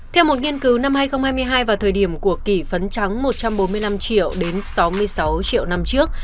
theo một nghiên cứu năm hai nghìn hai mươi hai vào thời điểm của kỷ phấn trắng một trăm bốn mươi năm triệu đến sáu mươi sáu triệu năm trước